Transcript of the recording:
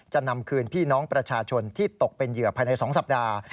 นำคืนพี่น้องประชาชนที่ตกเป็นเหยื่อภายใน๒สัปดาห์